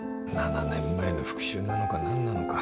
７年前の復讐なのか何なのか。